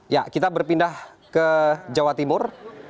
ya kita berpindah ke jawa timur